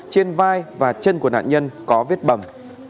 trên vai và chân của nạn nhân có vết bầm